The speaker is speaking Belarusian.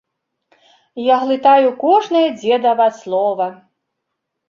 Я глытаю кожнае дзедава слова.